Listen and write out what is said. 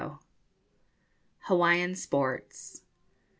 HAWAIIAN SPORTS.